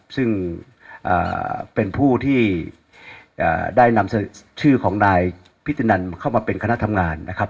ซึ่งเป็นผู้ที่ได้นำเสนอชื่อของนายพิธีนันเข้ามาเป็นคณะทำงานนะครับ